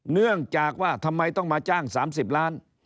เนื่องจากว่าทำไมต้องมาจ้าง๓๐ล้าน